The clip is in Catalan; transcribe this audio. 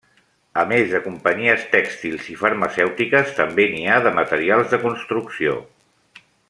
A més de companyies tèxtils i farmacèutiques, també n'hi ha de materials de construcció.